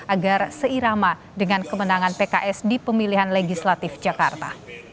agar seirama dengan kemenangan pks di pemilihan legislatif jakarta